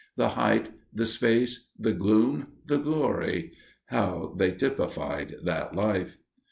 "The height, the space, the gloom, the glory," how they typified that life!